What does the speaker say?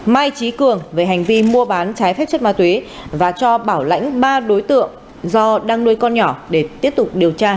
mai trí cường về hành vi mua bán trái phép chất ma túy và cho bảo lãnh ba đối tượng do đang nuôi con nhỏ để tiếp tục điều tra